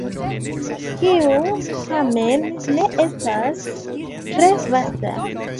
Kiu, tamen, ne estas tre vasta.